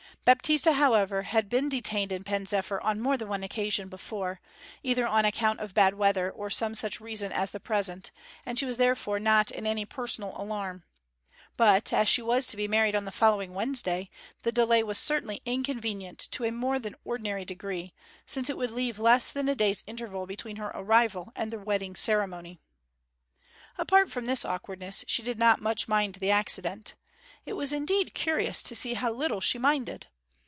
Baptista, however, had been detained in Pen zephyr on more than one occasion before, either on account of bad weather or some such reason as the present, and she was therefore not in any personal alarm. But, as she was to be married on the following Wednesday, the delay was certainly inconvenient to a more than ordinary degree, since it would leave less than a day's interval between her arrival and the wedding ceremony. Apart from this awkwardness she did not much mind the accident. It was indeed curious to see how little she minded.